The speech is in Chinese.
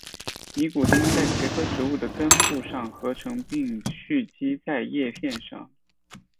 尼古丁在茄科植物的根部上合成并蓄积在叶片上。